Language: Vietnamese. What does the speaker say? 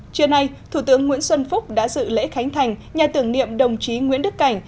trưa nay thủ tướng nguyễn xuân phúc đã dự lễ khánh thành nhà tưởng niệm đồng chí nguyễn đức cảnh